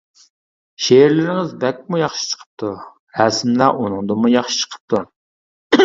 شېئىرلىرىڭىز بەكمۇ ياخشى چىقىپتۇ، رەسىملەر ئۇنىڭدىنمۇ ياخشى چىقىپتۇ.